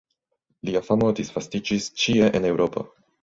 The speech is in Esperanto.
Lia famo disvastiĝis ĉie en Eŭropo.